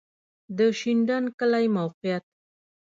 د شینډنډ کلی موقعیت